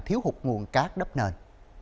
và thiếu hụt nguồn cát đấp nền